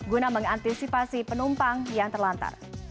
guna mengantisipasi penumpang yang terlantar